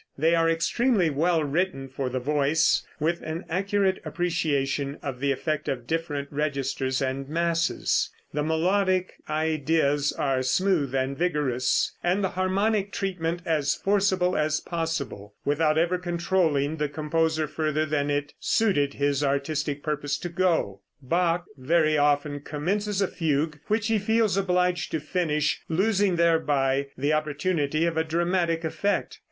They are extremely well written for the voice, with an accurate appreciation of the effect of different registers and masses, the melodic ideas are smooth and vigorous, and the harmonic treatment as forcible as possible, without ever controlling the composer further than it suited his artistic purpose to go. Bach very often commences a fugue which he feels obliged to finish, losing thereby the opportunity of a dramatic effect.